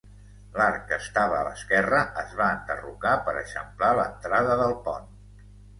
L'arc que estava a l'esquerra es va enderrocar per eixamplar l'entrada del pont.